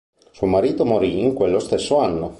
Suo marito morì in quello stesso anno.